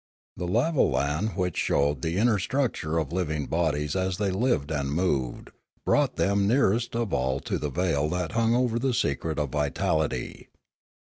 The lavolan, which showed the inner structure of living bodies as they lived and moved, brought them nearest of all to the veil that hung over the secret of vitality.